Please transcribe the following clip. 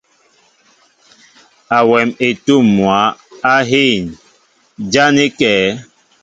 Awɛm etǔm mwǎ á hîn, ján é kɛ̌?